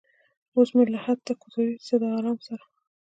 اوس مې لحد ته کوزوي څه د ارامه سره